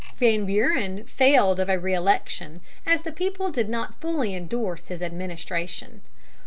Van Buren failed of a re election, as the people did not fully endorse his administration.